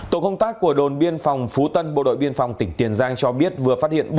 tổ công tác của đồn biên phòng phú tân bộ đội biên phòng tỉnh tiền giang cho biết vừa phát hiện